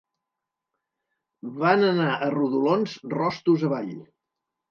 Van anar a rodolons rostos avall.